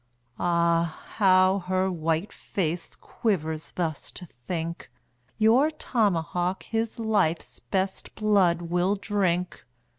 Ah, how her white face quivers thus to think, Your tomahawk his life's best blood will drink.